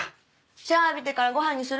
シャワー浴びてからごはんにする？